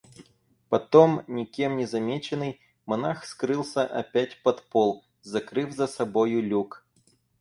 Потом, никем не замеченный, монах скрылся опять под пол, закрыв за собою люк.